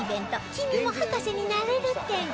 「君も博士になれる展」